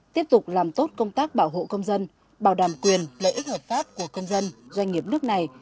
tiếp tục làm tốt công tác bảo hộ công dân bảo đảm quyền lợi ích hợp pháp của công dân doanh nghiệp nước này